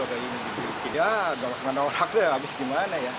tidak dengan orangnya habis gimana ya